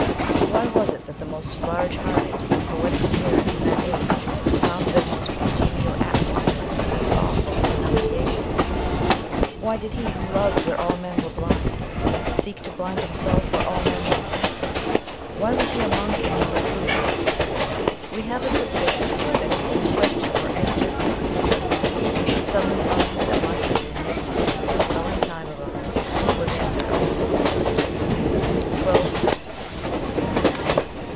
Why was it that the most large hearted and poetic spirits in that age found their most congenial atmosphere in these awful renunciations ? Why did he who loved where all men were blind, seek to blind himself where all men loved? Why was he a monk and not a troubadour ? We have a suspicion that if these questions were answered we should suddenly find that much of the enigma of this sullen time of ours was answered also. ' Twelve Types.